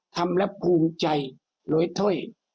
ทำแล้วภูมิใจหลวยเท้ย